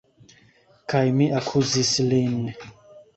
Kaj mi akuzis lin!